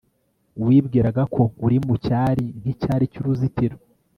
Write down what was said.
Wibwiraga ko uri mucyari nkicyari cyuruzitiro